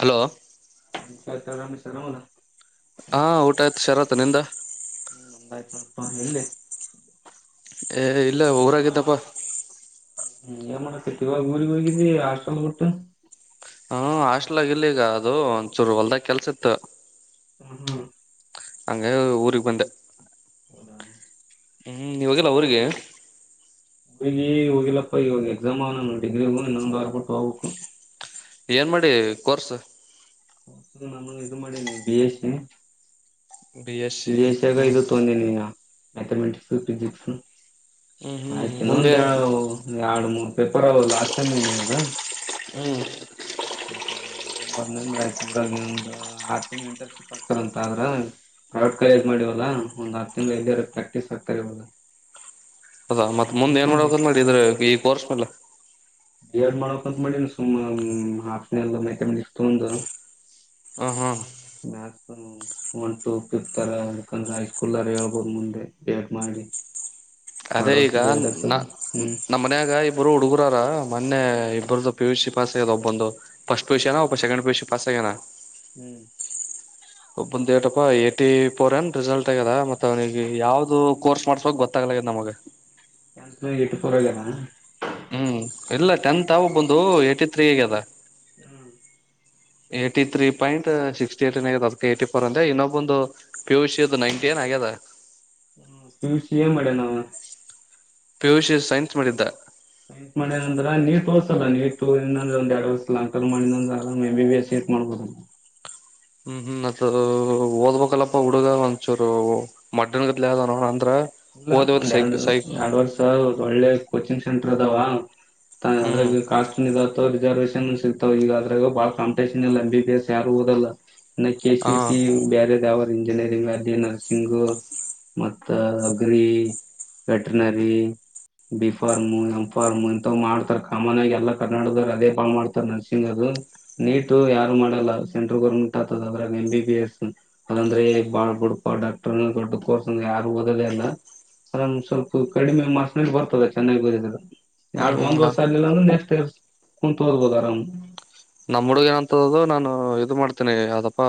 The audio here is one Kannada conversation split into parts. ಹಲೋ ಹ ಕ್ತರಾಮ ಸರದ ಹಾ ಊಟ ಆಯ್ತು ಶರತ್ ನಿಂದ ಹ್ಮ್ ನಂಗಾಯ್ತು ಮಪಾ ಎಲ್ಲಿ ಹೇ ಇಲ್ಲ ಊರಾಗಿದ್ದಪ್ಪ ್ಮಮ್ಮ ಸತಿಗ ಊರಿಗೆಗ್ ಹೋಗಿದ್ದಿ ಹಾಸ್ಟೆಲ್ ಬಿಟು ಹ್ಮ ಹಾಸ್ಟ್ಲ್ಗ ಇಲ್ಲಿ ಈಗ ಅದು ಒಂದಚೂರು ಹೊಲ್ದಾಗ ಕೆಲ್ಸಿತ್ತು ಹ ಹಾ ಅಂಗ ಊರಿಗೆ ಬಂದೆ ಹದ ಹ್ಮ್ ನೀವಾಗಲ್ಲ ಅವ್ರರಿಗೆ ಹುಡುಗೀ ಹೋಗಿಿಲ್ಲಪ್ಪ ಇವಾಗ ಎಕ್ಸಾಮ್ ನನ್ನ ಡಿಗ್ರಿ ಹೂ ನಮಗೆ ಆರ್ಬಿಟ್ಟು ಹ್ಕು ಏನ್ ಮಾಡಿ ಕೋರ್ಸ್ ಹ ನು ಇದು ಮಾಡೆ ಬಸ್ ಎಸ್ ಸಿ ಬಿ ಎಸ್ಾಗ ಹ್ಮ್ ಇದು ತೊಂದನ್ನ ಮ್ಯಾಥಮೆಟಿಕ್ಸ್ ಫಜಿಕ್ಸ್ ಹ್ಮ್ ಹ್ಮ್ ಆಯ್ತ ನ ಮುಂದೆ ಒಂದ ಎರಡು ಮೂರ್ [unintelligible] ಪೇಪರ್ ಲಷ್ಟಟೈಮ [unintelligible] ಹ್ಮ್ ಆಯ್ತ ಎಕ್ಸಾಮ್ ಬರ್ದೇನಾದ್ರ ಆಯ್ತು [unintelligible] ಊರಾಗಂದು ಆರ್ ತಿಂಗಳ ಇಂಟರ್ನ್ಶಿಪ್ ಆಗ್ತಾರಂತ ಆದ್ರ ಪ್ರೈವೇಟ್ ಕಾಲೇಜ್ ಮಾಡಿವಲ್ಲ ಒಂದ್ ಆರ್ ತಿಂಗ್ಳ್ ಇದಾರೆ [unintelligible] ಪ್ರಾಕ್ಟೀಸ್ ಆಗ್ತಾರೆ ಇವಾಗ ಅದಾ [unintelligible] ಮತ್ ಅದ್ ಮುಂದ್ ಏನ್ ಮಾಡ್ಕೊಂಡು ಮಾಡಕಂತ ಮಾಡಿದ್ರೆ ಈ ಕೊರ್ಸಲ್ಲ [unintelligible] [unintelligible] ಹ ಹಾ ಮ್ಯಾಥ್ಸ್ ಒನ್ ಟು ಫಿಫತ್ ಅರ [unintelligible] ಅಕಂದ್ರೆ ಹೈಸ್ಕೂಲ್ ಅರ ಹೇಳ್ಬೋದು ಮುಂದೆ ಟ [unintelligible] ಮಾಡಿ ಅದೇ ಎರಡು ಈಗ ವರ್ಷ ಬಿ ಎಡ್ ಇರ್ತದ ನ ಹ್ಮ್ ನಮ್ಮ್ ಮನ್ಯಾಗ ಇಬ್ಬರು ಹುಡುಗರು ದಾರ ಮೊನ್ನೆ ಇಬ್ಬರ ಪಿ ಯು ಸಿ ಪಸ್ ಆ್ಯದ ಒಬ್ಬಂದು ಫಸ್ಟ್ ಪಿಯುಸಿ ಒಬ್ಬ second P U C pass Anna [unintelligible] ಹ್ಮ್ ಒಬ್ಬಂದ ಏಟಪ್ಪಾ [unintelligible] ಏಟಿ ಫೋರ್ ಏನ್ ರಿಸಲ್ಟ್ ಆಗ್ಯದ ಮತ್ತ ಅವನಿಗೆ ಯಾವ್ದು ಕೋರ್ಸ್ ಮಾಡ್ಸ್ಬೇಕ್ ಗೊತ್ತಾಗ್ಲ ನಮಗ [unintelligible] ಹ್ಮ್ ಇಲ್ಲ ಟೆಂತ್ ಆ ಬಂದು ಏಟಿ ಥತ್ರೀಗ [unintelligible] ಅದ ಹ್ಮ್ ಏಯ್ಟಿ ತ್ರೀ ಪಾಯಿಂಟ್ ಸಿಕ್ಸ್ಟಿ ಏ ಏನ್ ಆ ಅದಕ್ಕೆ ಏ್ಟ [unintelligible] ಫೋರ್ ಅಂದ ಇನ್ನೊಬ್ಬೊಂದು ಪಿ ಯು ಸಿ ನೈನ್ಟಿ ಏನ್ ಆಗ್ಯದ ಹ್ಮ ಏನ್ [unintelligible] ಮಾಡೆ ನಾವ ಪಿಯುಷಿ ಸೈನ್ಸ್ ಮಾಡಿದ್ದ ಸೈನ್ಸ್ ಮಾಡಿದಂದ್ರೆ ನೀಟ್ ಓದಸ್ [unintelligible] ಅಲ್ಲ ನೀಂದ್ರ ಒಂದ ಎರಡ್ ವರ್ಸಲ್ಲ [unintelligible] ಅಂಕ ಮಾಡಂದ್ರ ಆರಾಮಾಗ್ M B B S seat ಮಾಡ್ಬೋದ ಹ್ಮ್ ಹ್ಮ್ [unintelligible] ಓದ್ಬೇಕಲ್ಲಪ್ಪಾ ಹುಡುಗ ಒಂಚೂರು [unintelligible] ಮಡ್ಡನ್ಗತ್ ನೋಡ ಇಲ್ಲ ಒಂದ್ ಎರಡು ಎರಡ್ ವರ್ಷ ಒ ಒಳ್ಳೆ ಕೋಚಿಂಗ್ ಸೆಂಟ್ರಿಂದಾವ ಅಂದ್ರೆ ಹ್ಮ್ [unintelligible] ಕಾಸ್ಟ್ ರಿಸರ್ವೇಶನ್ ಸಿಗ್ತವ ಈಗಾದ್ರಾಗ ಬಾಳ ಕಾಪಿಟೇಷನ್ ಇಲ್ಲ ಎಂ ಬಿ ಬಿ ಎಸ್ ಯಾರು ಓದಲ್ಲ ನ [unintelligible] ಕೆ ಹ ಸಿಟಿ ಬ್ಯರೆದ ಯಾವ ಇಂಜಿನಿಯರಿಂಗ್ ಅತ್ತಿ ನರ್ಸಿಂಗ್ ಮತ [unintelligible] ರಿ veterinary B pharm M pharm ಇಥವ್ ಮಾಡ್ತಾರ ಕಾಮನ್ ಆಗಿ ಎಲ್ಲಾ ಕರ್ನಾಡದೊರ್ ಅದೇ [unintelligible] ಮಾಡ್ತಾರ ನರ್ಸಿಂಗ್ ಅದು ನೀಟು ಯಾರು ಮಾಡಲ್ಲ ಸೆಂಟ್ರಲ್ ಗೋರ್ಮೆಂಟ್ ಆತದ ಅದ್ರಾಗ ಎ ಬಿ ಬಿ ಎಸ್ ಅದಂದ್ರೆ [unintelligible] ಬಡ್ ಡಾಕ್ಟರ್ ದೊಡ್ಡ ಕೋರ್ಸ್ ಅಂದ ಯಾರು ಓದದಲ್ಲ ಆರಾಮ್ ಸ್ವಲ್ಪ ಕಡಿಮೆ ಮಾಸನಲ್ಲಿ [unintelligible] ಬರ್ತದೆ ಚೆನ್ನಾಗಿ ಹ್ಮ್ [unintelligible] ಒಂದ್ ಹ್ಮ್ ವರ್ಷ ಆಗ್ಲಿಲ್ಲ ಅಂದ್ರೆ ನೆಕ್ಸ್ಟ್ ಇಯರ್ ಕುಂತ್ ಓದ್ಬೋದು ಆರಾಮ್ ನಮ್ಮ್ ಹುಡುಗ ಏನಂತದ ನಾನು ಇದು ಮಾಡ್ತಿ [unintelligible] ಯಾವ್ದಪ್ಪ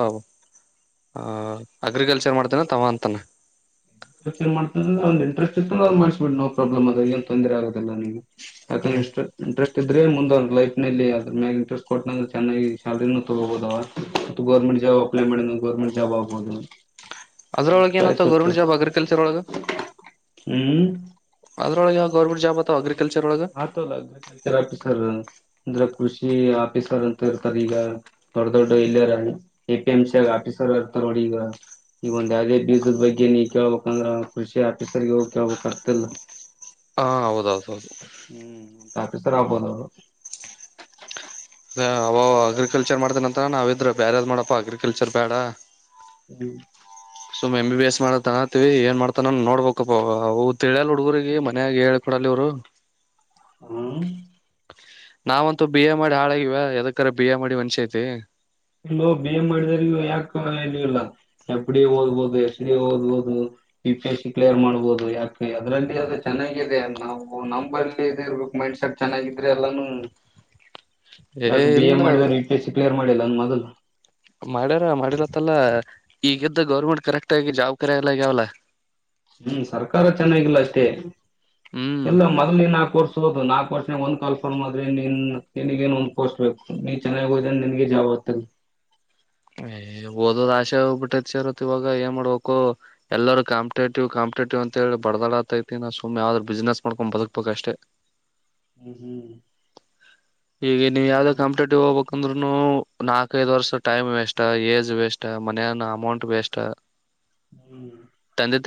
ಆ ಅಗ್ರಿಕಲ್ಚರ್ ಮಾಡ್ತೇನ ತವಾ ಅಂತಾನ [unintelligible] ಅವನ್ ಇಂಟ್ರೆಸ್ಟ್ ಇತ್ತ ಅದೆ [unintelligible] ಮಾಡ್ಬಿಡ್ ನೋ ಪ್ರಾಬ್ಲಮ್ ಅದ ಏನ್ ತೊಂದರೆ ಆಗದಿಲ್ಲ ನಿಮಗೆ ಹಕ ಹ್ಮ್ [unintelligible] ಇಂಟ್ರ [unintelligible] ಮುಂದ ಲೈಫ್ ನಲ್ಲಿ ಅದ್ರ ಮ್ಯಾಗ ಇಂಟ್ರೆಸ್ಟ್ ಕೊಟ್ಟ ಚೆನ್ನಾಗಿ ಶಾಲರಿ ತಗೋಬಹದ ಗೌರ್ಮೆಂಟ್ ಜಾಬ್ ಅಪ್ಲೈ ಮಾಡ ಗೌರ್ಮೆಂಟ್ ಜಾಬ್ ಆಗ್ಬಹುದು ಅವ್ರ ಅದ್ರಲಾಗ್ [unintelligible] ಏನ ಆತ ಇರ್ತದ ಗವರ್ನಮೆಂಟ್ ಜಾಬ್ ಆಗಿತಿ [unintelligible] ಕೆಲ್ಸರ ಒಳಗೆ ಹ್ಮ್ ಅದೊಳಗ ಗವರ್ನಮೆಂಟ್ ಜಾಬ್ ಅ್ರ [unintelligible] ಹಾತ ಲ [unintelligible] ಸರ್ ಅಂದ್ರೆ ಕೃಷಿ ಆಫೀಸರ್ ಅಂತ ಇರ್ತಾರ ಈಗ ದೊಡ್ ದೊಡ್ಡ ಇಲ್ಲಿಯಾರ ಎಪಿ ಎಂ್ ಸಿ ಆಗ ಆಫೀಸರ್ ಇರ್ತಾರ ನೋಡಿ ಈಗ ಈಗ ಒಂದ್ ಯಾವವುದೇ ಬೀಜದ ಬಗ್ಗೆ ನೀ ಕೇಳ್ಬೇಕಂದ್ರ ಕೃಷಿ ಆಫೀಸರ್ಗೆ ಹೋಗಿ ಕೇಳ್ಬೇಕ ಆಗ್ತಿಲ್ಲ ಹಾ ಹೌದೌದು ಹ್ಮ್ ತಪತ್ರರ ಆಬೋದ [unintelligible] ಅವ ಅಗ್ರಿಕಲ್ಚರ್ ಮಾಡ್ತಾನಂತ ಹತ್ರ ನಾವಿದ್ರ ಬೇಾರ ಯಾವ್ ಮಾಡಡಪ್ಪಾ ಅಗ್ರಿಕಲ್ಚರ್ ಬೇಡ ಹ್ಮ ಸುಮ್ ಎಂ ಬಿ ಎಸ್ ಮಾಡತತ್ತತಿವಿ ಏನ್ ಮಾಡ್ತಾನ ನೋಡ್ಬೇಕಪ್ಪದ [unintelligible] ತಿಳಿಯಲ್ ಹುಡುಗರಿಗೆ ಮನ್ಯಾಗ ಹೇಳ ಕಡಲ್ಲಿ ಅವರು ಹ್ಮ್ ನಾವಂತೂ ಬಿ ಎ ಮಾಡಿ ಹಾಳಾಗಿವ ಯದಕ್ಕರ ಬಿ ಎ ಮಾಡಿ ಮನ್ಷ್ಯ ಐತಿ ಇಲ್ಲೋ ಬಿ ಎ ಮಾಡಿದ ಯಾಕ ಇ ಇಲ್ಲ ಎಫ್ ಡಿ ಎ ಓದ್ಬೋುದು ಎಸ್ ಡಿ ಎ ಓದ್ಬೋುದು ಯ ಪಿ ಎಸ್ ಸಿ ಕ್ಲಿಯರ್ ಮಾಡ್ಬೋದು ಯಾಕ ಅದ್ರಲ್ಲಿ ಅದು ಚೆನ್ನಾಗಿದೆ ನಾವು ನಂಬಲ್ಲಿ ಇದ ಇರ್ಬೇಕ ಮೈಂಡ್ಸೆಟ್ ಚೆನ್ನಾಗಿದ್ರೆ ಎಲ್ಲಾನು ಏ ಯಾ ಬಿ ಎ ಇಲ್ಲ ಮಾಡಿದ ಪಿ ಎಸ್ ಸಿ ಕ್ಲಿಯರ್ ಮಾಡಿ [inaudible] ಹ ಮಾಡ್ಯಾರ ಮಾಡಿರತ್ತಲ್ಲಾ ಈಗ್ದ ಗೌರ್ಮೆಂಟ್ ಕರೆಕ್ಟ್ ಆಗಿ ಜಾಬ್ ಕರಿ ಎಲ್ಲ ಆಗ್ಯಾವಲ್ಲ [unintelligible] ಹ್ಮ್ ಸರ್ಕಾರ ಚೆನ್ನಾಗಿಲ್ಲ ಅತ್ತೇ [unintelligible] ಹ್ಮ್ ಎಲ್ಲ ಮೊದ್ಲ ನ ಆ ಕೋರ್ಸ್ ಹೌದು ನಾಲ್ಕು ವರ್ಷಾಗ ಒಂದ್ ಕಾಲ್ ಫಾರ್ಮ್ ಆದ್ರೆ ನೀನ್ ನಿನಗ ೇನ್ ಒಂದ್ ಪೋಸ್ಟ್ ಬೇಕು ನೀ ಚೆನ್ನಾಗಿ ಹೋದೆ ನನ್ಗೆ ಜಾಬ್ ಆಗ್ತದೆ ಏ ಓದೋದ್ ಆಶೆ ಹೋಗ್ಬಿಟ್ಟೈತಿ ಇರತ್ತತ್ ಇವಾಗ ಏನ್ ಮಾಡ್ಬೇಕು ಎಲ್ಲರೂ ಕಾಂಪಿಟೇಟಿವ್ ಕಾಂಿಟೇಟಿವ್ ಅಂತ ಹೇಳಿ ಬಡದಾಡತೈತಿ ನಾ ಸುಮ್ ಯಾವ್ದ್ರರು ಬಿಸ್ನೆಸ್ ಮಾಡ್ಕೊಂಡ್ ಬದುಕ್ಬೇಕಷ್ಟೇ [unintelligible] ಹ್ಮ್ ಹ್ಮ್ ಈಗ ನೀವು ಯಾವ್ದೋ ನೋಡಣ. ಕಂಪಟೇಟಿವ್ ಹೋಗಬೇಕು ಅಂದ್ರುನು ನಾಕೈದ್ ವರ್ಷ ಟೈಮ್ ವೇಸ್ ಏಜ್ ವೇಸ್ ಮನ್ಯಾನ ಅಮೌಂಟ್ ವೇಸ್ [unintelligible] ಹ್ಮ್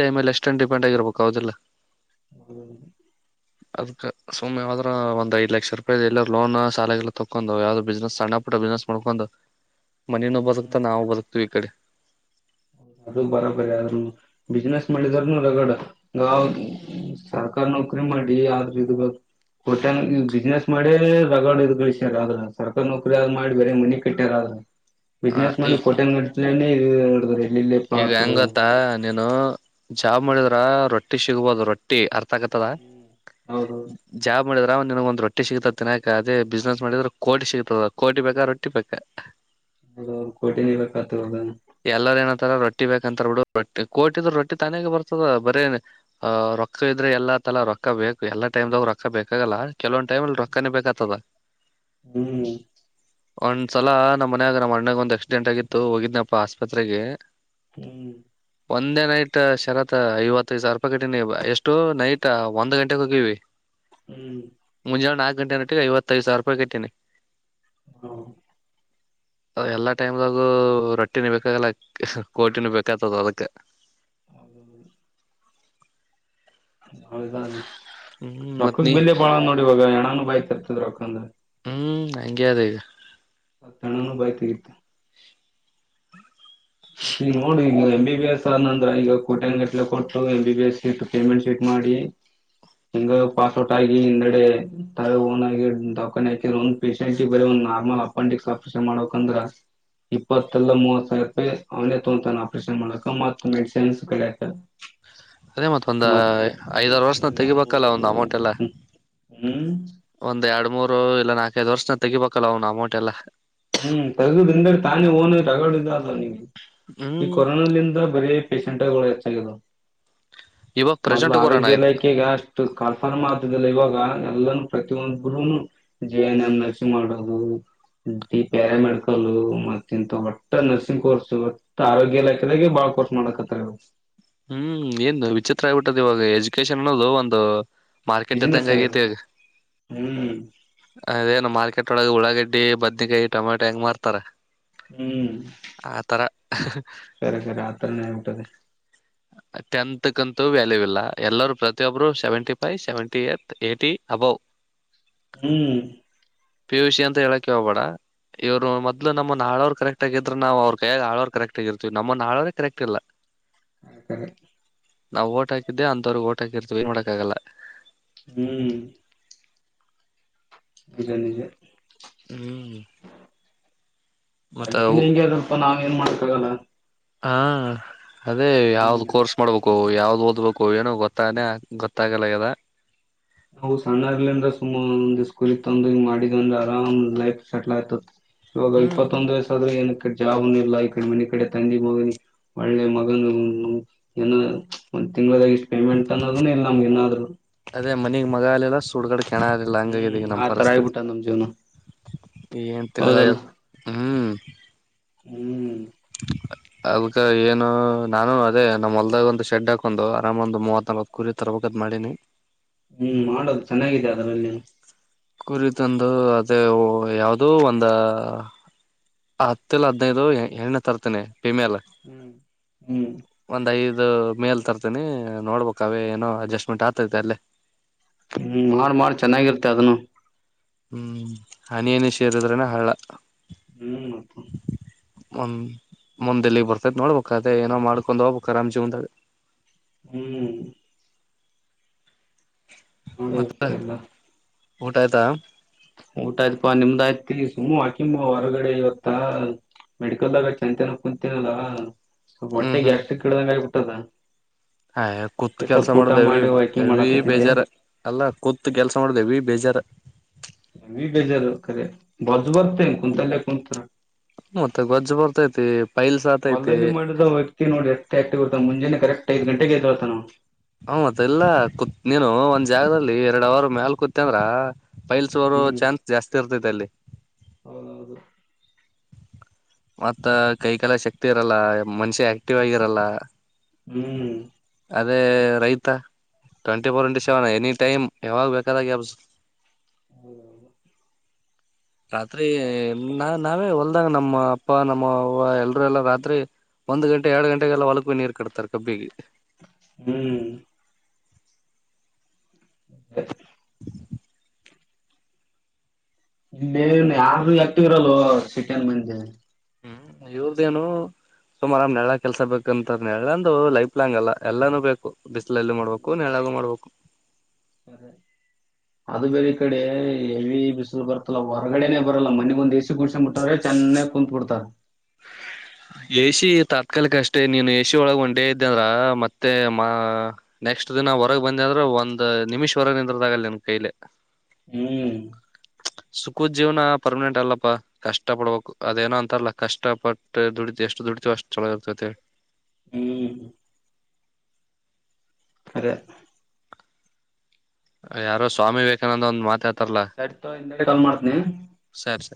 ಟೈಮೇಲ್ಲಿ ಎಷ್ಟನ್ ಡಿಪೆಂಡ್ ಆಗಿರ್ಬೇಕು ಹದಿಲ್ಲ [unintelligible] ಹ್ಮ ಅದ್ಕ್ ಸುಮ್ ಹದ್ರ ಒಂದ್ ಐ್ ಲಕ್ಷ ರೂಪಾಯ ಎಲ್ಲ ಲೋನ್ ಶಾಲೆಗೆಲ್ಲ ತೊಕೊಂಡ್ ಯಾವ್ದ್ ಬಿಸ್ನೆಸ್ ಸಣ್ಣ ಪುಟ್ಟ ಬಿಸ್ನೆಸ್ ಮಾಡ್ಕೊಂಡು ಮನನು ಹ್ಮ್ ಬರಕ್ತಾ ನಾವವು ಬರಕ್ತು ಈ ಕಡೆ [unintelligible] ಅದು ಬರ ಬರಿ ಆದ್ೂ ಬಿಸ್ಿನನೆಸ್ ಮಾಡಿದಾರನುೂ ರಗಡ ಹೌದು ಸ ಸರ್ಕಾರಿ ನೌಕರಿ ಮಾಡಿ ಆದ್ರ ಇದ ಕೋಟಂಗ ಬಿಸ್ನೆಸ್ ಮಾಡೇ ರಗಾರ್ಡ್ ಇ ಗಳಿಸ್ಯಾರ ಆದ್ರ ಸರ್ಕಾರಿ ನೌಕರಿ ಆದ್ ಮಾಡಿ ಬೇರೆ ಮನಿ ಕಟ್ಟ್ಯಾರ ಆದ್ರ ಆ ಬಿಸ್ನೆಸ್ ಈ ಮಾಡಿ ಕೋಟೆನ್ಡ್ [inaudible] ಈಗ ಹೆಂಗ ಗೊತ್ತಾ ನೀನ್ ಹ ಜಾ ಮಾಡಿದ್ರ ರೊಟ್ಟಿ ಸಿಗ್ಬಹುದು ರೊಟ್ಟಿ ಅ [unintelligible] ಆಘಾತದ ಹೌದು ಜಾಬ್ ಮಾಡಿದ್ರ ಅವ್ ನಿನ್ಗ ಒಂದ ರಟ್ಟಿ ಸಿಗ್ತ ತಿಿನಾಕ ಅದೇ ಬಿಸ್ನೆಸ್ ಮಾಡಿದ್ರ ಕೋಟಿ ಸಿಗ್ತದ ಕೋಟಿ ಬೇಕಾ ರೊಟ್ಟಿ ಬೇಕಾ. ಅ ಕೋಟಿ ನೀ ಬೇಕಾದ. [unintelligible] ತರ ರೊಿ ಬೇಕಂತ ಬಿಡು ರ ಕೋಟಿದ್ರ ರೊಟ್ಟಿ ತಾನೇ ಬರ್ತದ ಬರೀ ರೊಕ್ಕ ಇದ್ರೆ ಎಲ್ಲಾ ತಲಾ ರೊಕ್ಕ ಬೇಕು ಎಲ್ಲಾ ಟೈಮ್್ದಾಗ ರೊಕ್ಕ ಬೇಕಾಗಲ್ಲ ಕೆಲವೊಂದ್ ಟೈಮ್ಲ್ಲಿ ರೊಕ್ಕನೇ ಬೇಕತದ. ಹ್ಮ್ ಒಂದ್ಸಲ ನಮ್ಮ್ನ್ಯಾಗ ನಮ್ಮ ಅಣ್ಣಾಗ ಒಂದ್ ಆಕ್ಸಿಡೆಂ ಆಗಿತ್ತು ಹೋಗಿದ್ನ ಪ್ಪ ಆಸ್ಪತ್ರೆಗೆ ಹ್ಮ್ ಒಂದೇ ನೈಟ್ ಶರತ್ ಐವತ್ತೈದು ಸಾವರಪ ಕಟೀನಿ ಎಷ್ಟು ನೈಟ್ ಒಂದ್ ಗಂಟೆೆಗೆ ಹೋಗೀಿ ಹ್ಮ್ ಮುಂಜ ನಾ ಗಂಟೆ ನಟ್ಟಿಗೆ ಐವತ್ತೈದು ಸಾವಿರ ರೂಪಾಯಿ ಕಟ್ಟಿನಿ ಹ್ಮ ಎಲ್ಲಾ ಟೈಮ್ಾಗ ರೊ ಟಿನ ಬೇಕಾಗಲ್ಲ ಕೋಟಿಿನ ಬೇಕಾಗ್ತದ ಅದಕ್ಕ. [inaudible] ಹೌದ ಹ್ಮ್ ಮತ್ ರೊಕ್ಕಕ್ ನೀ ಬೆಲೆ ಬಾಳ ಅದ ನೋಡ ಇವಾಗ ಹಣಾನೂ ಬಾಯಿ ತೆರಿತದ. [unintelligible] ಹ್ಮ್ಅಂಗೆ ಅದ ಈಗ. ಹೆಣನು ಬಾಯ ತೆಗಿತದ. ಮತ್ತೆ ಈಗ ನೋಡ ಈಗ ಮೆಂ ಬೀ ಎಂ ಬಿ ಬಿ ಎಸ್ ಆದ್ ಅಂದ್ರ ಈವಾಗ ಕೋಟ್ಯನ್ ಗಟ್ಲೆ ಕೊಟ್ಟು A B B S seat payment seat ಮಾಡಿ ಹಿಂಗ ಪಾಸ್ಔಟ್ ಆಗಿ ಹಿಂದಗಡೆ ತ ಓನ್ ಆಗಿ ದಖಾನಿ ಹಾಕಿದ ಒಂದ್ ಪೇಷೆಂಟ್ ಬರ ಒಂದ್ ನಾರ್ಮಲ್ ಅಪೆಂಡಿಕ್ಸ್ ಆಪರೇಷನ್ ಮಾಡಕಂದ್ರ ಇಪ್ಪತ್ತಲ್ಲ ಮೂವತ್ ಸಾವಿರ ರೂಪಾಯಿ. ಅವನೇ ತೊೋತಾನ ಆಪರೇಷನ್ ಮಾಡ್ಲಕ ಮತ್ತತ್ ಮೆಡಿಸಿನ್ಸ್ ಕಡ್ಯಾಕ. ಅದೇ ಮತ್ತ ಒಂದ ಐದಾರು ವರ್ಷನ ಲ್ಯಾಬು ತೆಗಿಬೇಕಲ್ಲ ಒಂದು ಅಮೌಂಟ್ ಎಲ್ಲ ಟೆಕ್ನಿಷಿಯನ್ ಹ್ಮ್ ಒಂದ್ ಎರಡ್ ಮೂರು ಇಲ್ಲಾ ನಾಕೈದು ವರ್ಷ ನ್ಯಾಗ ತೆಿಬೇಕಲ್ಲ ಅವನು ಅಮೌಂಟ್ಲ್ಲ ಹ್ಮ್ ತಗದಿಂದ ತಾನೇ ಓನು ತಗಗಳ ಇದ ಅಲ್ವ ನಿಗೆ ಈ ಹ್ಮ್ ಕೊರೋನಲ್ಲಿಿಂದ ಬರ ಪೇಶಂ ಕೊದ ಇವಾಗ ಮೊದ್ಲು ಪ್ರೆಸೆಂಟ್ ಕೊರೋಣ ಆರೋಗ್ಯ ಆಯ್ತು ಇಲೈಖೆೆಗೆ ಅಷ್ಟು ಕನ್ಫರ್ಮ್ ಆದ ಇವಾಗ ಎಲ್ಲಾನೂ ಪ್ರತಿಯೊಬ್ರುೂನು ಜೇನನ್ನಸಿ ಮಾಡೋದು ಡಿ ಪ್ಯಾರ ಮೆಡಿಕಲ್ ಮತ್ತ ಇಂತ ಒಟ್ಟ ನರ್ಸಿಂಗ್ ಕೋರ್ಸ್ ಒಟ್ಟ ಆರೋಗ್ಯ ಇಲಾಖೆದಾಗೆ ಬಾಳ ಕೋರ್ಸ್ ಮಾಡಕತ್ತವು ಹ್ಮ್ ಏನ್ ವಿಚಿತ್ರ ಆಗ್ಿಬಿಟ್ಟದ ಇವಾಗ ಎಜುಕೇಶನ್ ಅನ್ನೋದು ಒಂದು ಮಾರ್ಕೆಟ್ ಬಿಸಿನೆಸ್ ಆಗ್ಯಾವ ಇದ್ದಂಗತಿಗ ಹ್ಮ್ ಅದೇನು ಮಾರ್ಕೆಟ್ ಒಳಗೆಳ ಾಗಡ್ಡಿ ಬದ್ೇಕಾಯಿ ಟಮಟೊ ಹೆಂಗ್ತಾರ ಹ್ಮ್ ಸಖರಖರೆ ಅತ್ರನ ಆಟ್ಟದೆ ಟೆಂತ್ಕ್ಂತೂ ವ್ಯಾಲ್ಯೂ ಇಲ್ಲ ಎಲ್ಲರೂ ಪ್ರತಿಯೊಬ್ರು ಸೆವೆಂಟಿ ಫೈ್ ಸೆವೆಂಟಿ ಏ ಏಟಿ ಅಬೌ್ ಹ್ಮ್ ಪಿಯ ಯುಷಿ ಅಂತ ಹೇಳಕ ಹೋಗ್ಬೇಡ ಇವರು ಮೊದ್ಲು ನಮ್ಮ ನಾವರು ಕರೆಕ್ಟ್ ಕರೆಟ್ ಆಗಿದ್ರ ನಾವು ಅವ್ರ ಕೈಯ ಆಳವ ಕರೆಕ್ಟ್ ಆಗಿರ್ತಿವಿ ನಮ್ಮನ್ನ ಹಾವ ಕರೆಕ್ಟ್ ಇಲ್ಲ ಹ ನಾವು ಓಟ್ ಹಾಕಿದ್ದೆ ಅಂತ್ವ್ರಗ್ ಓಟ್ ಹಾಕಿರ್ತೀವಿ ಏನ್ ಮಾಡೋಕ್ಕಾಗಲ್ಲ ಹ್ಮ್ ಬಿರಾನಿಗೆ ಹ್ಮ್ ಮತ್ತ ಅದ್ಕಿನ್ ಹೆಂಗೆ ಸ್ವಲ್ಪ ನಾವ್ ಏನ್ [unintelligible] ಹಾ ಅದೇ ಯಾವ್ದ್ ಹ್ಮ್ ಕೋರ್ಸ್ ಮಾಡ್ಬೇಕು ಯಾವ್ದ್ ಓದ್ಬೇಕು ಏನು ಗೊತ್ತಾನೆ ಗೊತ್ತಾಗಲ್ಲ ಆಗ್ಯದ ನಾವು ಸಣ್ಣ ಆಗ್ಲಿಂದ್ರೆ ಸುಮ ಒಂದ್ ಸ್ಕೂಲಿಗ್ ತಂದು ಮಾಡಿದಂದ್ರೆ ಆರಾಮ್ ಲೈಫ್ ಸೆಟ್ಲ್ ಆಯ್ತತಿ ಇವಾಗ ಹ್ಮ್ ಇಪ್ಪತ್ತೊಂದ್ ವಯಸ್ ಆದ್ರೂ ಏನ್ ಜಾಬುನು ಇಲ್ಲ ಈ ಕಡ್ ಮನಿ ಕಡೆ ತಂದಿ ಮಗನ ಒಳ್ಳೆ ಮಗನ ಏನೊ ಒಂದ್ ತಿಂಗ್ಳದ ಇಷ್ಟ್ ಪೇಮೆಂಟ್ ಅನ್ನೋದುನು ಇಲ್ಲ ನಮ್ಗ್ ಇನ್ನಾದ್ರು ಮನಿಗ್ ಮಗಾ [unintelligible] [unintelligible] ಹ್ಮ್ ಅಂಗಾಗದಿಗ ನಮ್ ಆ ತರ ಪರಿಸ್ಥತಿ ಆಗ್ಬಿಟ್ಟದ್ ನಮ್ ಜೀವನ ಹೌದಲ್ಲ [unintelligible] ಹ್ಮ್ ಅದಕ್ಕ ಏನು ನಾನು ಅದೇ ನಮ್ಮ ಹೊಲ್ದಾಗ ಒಂದು ಶೆಡ್ ಹಾಕೊಂಡು ಆರಾಮ್ ಒಂದು ಮೂವತ್ ನಲ್ವತ್ ಕುರಿ ತರ್ಬೇಕತ್ ಮಾಡಿನಿ ಹ್ಮ್ ಮಾಡದು ಚೆನ್ನಾಗಿದೆ ಅದ್ರಲ್ಲಿ ಕುರಿ ತಂದು ಅದೇ ಯಾವ್ದೂ ಒಂದ ಹತ್ತಿಲ್ಲ ಹದ್ನೈದು ಹೆಣ್ಣೆ ತರ್ತೇನೆ ಫೀಮೇಲೂ ಹ್ಮ್ ಹ್ಮ್ ಒಂದ್ ಐದು ಅದು ಮೇಲ್ ತರ್ತನಿ ನೋಡ್ಬೇಕ ಅವೇ ಏನೋ ಅಡ್ಜಸ್ಟ್ಮೆಂಟ್ ಆತೈತೆ ಅಲ್ಲೇ ಹ್ಮ್ ಮಾಡ್ ಮಾಡ್ ಚೆನ್ನಾಗಿರ್ತೆ ಅದುನು ಹ್ಮ್ ಹನಿ ಹನಿ ಸೇರಿದ್ರೆನೆ ಹಳ್ಳ ಹ್ಮ್ ಮತ್ತ ಒಂದ್ ಮುಂದ್ ಎಲ್ಲಿಗ್ ಬರ್ತೈತಿ ನೋಡ್ಬಕು, ಅದೇ ಏನೋ ಮಾಡ್ಕೊಂಡ್ ಹೋಗ್ಬೇಕ್ ಆರಾಮ್ ಜೀವನ್ದಾಗ ಹ್ಮ್ ಮತ್ತ [unintelligible] ಊಟ ಆಯ್ತಾ ಊಟ ಆಯ್ತ್ಪಾ ನಿಮ್ದ್ ಆಯ್ತಿ ಸುಮ್ಮ್ ಹಾಕಿಂಬ ಹೊರಗಡೆ ಇವತ್ತ ಮೆಡಿಕಲ್ದಾಗ ಚಂತನ ಕುಂತನಲ್ಲ ಸೊಲ್ಪ್ ಹೊಟ್ಟೆ ಗ್ಯಾಸ್ಟಿಕ್ ಕಟ್ದಂಗ್ ಟದ ಹಾ ಕೂತ್ ಕೆಲ್ಸ ಮಾಡೋದ್ ವಾಕಿಂಗ್ ಎವಿ ಮಾಡಾಕತ್ತಿದ್ದೆ ಬೇಜಾರ ಅಲ್ಲ ಕೂತ್ ಕೆಲ್ಸ ಮಾಡದ್ ಎವಿ ಬೇಜಾರ ಎವಿ ಬೇಜಾರ ಕರೆ ಬಜ್ ಬರ್ತೇ ಕುಂತಲ್ಲೇ ಕುಂತ್ರ ಮತ್ತೆ ಬೊಜ್ಜು ಬರ್ತೈತಿ ಪೈಲ್ಸ್ ಆತೈತಿ ಹೊಲ್ದಲ್ಲಿ ಮಾಡಿದ ವ್ಯಕ್ತಿ ನೋಡಡ್ ಎಷ್ಟ್ ಆಕ್ಟಿವ್ ಇರ್ತಾನ ಮುಂಜಾನೆ ಕರೆಕ್ಟ್ ಐದ್ ಗಂಟೆಗ್ ಇದ್ದೋಳ್ತಾನ್ ನಅವ ಹ ಮತ್ ಎಲ್ಲ ಕುತ್ ನೀನು ಒಂದ್ ಜಾಗದಲ್ಲಿ ಎರಡ್ ಅವರು ಮ್ಯಾಲ್ ಕುತಂದ್ರ ಪೈಲ್ಸ್ ಬರೋ ಹ್ಮ್ ಚಾನ್ಸ್ ಜಾಸ್ತಿ ಇರ್ತೈತಿ ಅಲ್ಲಿ ಹೌದೌದು ಮತ್ತ ಕೈಕಾಲ ಶಕ್ತಿ ಇರಲ್ಲ ಮನುಷ್ಯ ಆಕ್ಟಿವ್ ಆಗಿರಲ್ಲ ಹ್ಮ್ ಅದೇ ರೈತ twenty four into seven any time ಯಾವಾಗ ಬೇಕಾದಾಗ ಎಬಸ್ಸ್ ಹೌದೌದು ರಾತ್ರಿ ನಾ ನಾವೇ ಹೊಲ್ದಂಗ ನಮ್ಮ ಅಪ್ಪ ನಮ್ಮ ಅವವ ಎಲ್ರುೂ ಎಲ್ಲ ರಾತ್ರಿ ಒಂದ್ ಗಂಟೆ ಎರಡು ಗಂಟೆಗೆಲ್ಲ ಹೊಲಕಿ ನೀರ್ ಕಟ್ತಾರ ಕಬ್ಬಿಗೆ. ಹ್ಮ್ [inaudible] ಇೇ ಯಾರು ಆಕ್ಟಿವ್ ಇರಲ್ ಸಿಟಿನ್ ಮಂದಿ ಹ್ಮ್ ಇವ್ರದೇನು ಸುಮಾರ್ ನಳ್ಳಗ ಕೆಲ್ಸ ಬೇಕಂತ ನಳ್ಳಂದು ಲೈಫ್ ಲಾಂಗ್ ಅಲ್ಲ ಎಲ್ಲಾನೂ ಬೇಕು ಬಿಸ್ಲ ಎಲ್ಲ ಮಾಡ್ಬೇಕು ನೆಳಾಗು ಮಾಡ್ಬೇಕು ಸ ಅದು ಬೇರೆಿ ಈ ಕಡೆ ಹೆವಿ ಬಿಸಿಲು ಬರ್ತಲ್ಲ ಹೊರಗಡೆನೆೇ ಬರಲ್ಲ ಮನೆಿಗೊಂದ್ ಎಸಿ ಕುಣಸಂಬಟ್ಟವ್ರೆ ಚೆನ್ನಾಗ ಕುೂತ್ಬಿಡ್ತಾರ. ಎಸ ತಾತ್ಕಾಲಿಕ ಅಷ್ಟೇ ನೀನು ಎ ಸಿ ಒಳಗ ಒಂದು ಡೇ ಇದ್ದ ಅಂದ್ರ ಮತ್ತೆ ಮಾ ನೆಕ್ಸ್ಟ್ ದಿನ ಹೊರಗ್ ಬಂದೆ ಅಂದ್ರ ಒಂದ್ ನಿಮಿಷ್ವರೆಗ ನಿಂದ್ರದಾಗಲ್ಲ ನಿನ್ ಕೈಲೆ. ಹ್ಮ್ ಸುಖದ್ಜೀವನ ಪರ್ಮನೆಂಟ್ ಅಲ್ಲಪ ಕಷ್ಟ ಪಡ್ಬೇಕು ಅದೇನೋ ಅಂತಾರಲ್ಲ ಕಷ್ಟ ಪ ಷ್ಟ ದುಡಿತು ಎಷ್ಟು ದುಡಿತು ಅಷ್ಟ ಚೆಳಾಗಿ ಆಗ್ತೈತೆ ಹ್ಮ್ ಅರೆ ಯಾರೋ ಸ್ವಾಮಿ ವಿವೇಕಾನಂದ ಒಂದ್ ಮಾತಾ ಹೇಳ್ತ್ ಸರಿತ ಇ ಕಲ್ ಮಾಡ್ತನಿ. ಸರಿ ಸರಿ